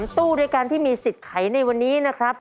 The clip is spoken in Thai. ตู้ด้วยกันที่มีสิทธิ์ไขในวันนี้นะครับ